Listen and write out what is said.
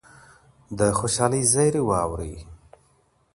د خوشحالۍ زیری واورئ.